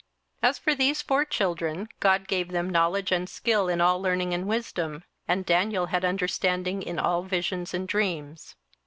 27:001:017 As for these four children, God gave them knowledge and skill in all learning and wisdom: and Daniel had understanding in all visions and dreams.